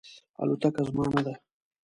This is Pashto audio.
الوتکه زما نه ده